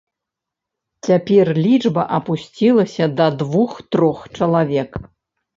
Цяпер лічба апусцілася да двух-трох чалавек.